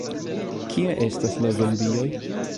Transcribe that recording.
Kie estas la zombioj?